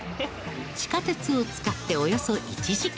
地下鉄を使っておよそ１時間です。